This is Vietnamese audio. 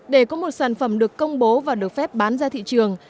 để có một sản phẩm được công bố và được phép bán ra thị trường